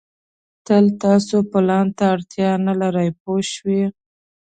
تل تاسو پلان ته اړتیا نه لرئ پوه شوې!.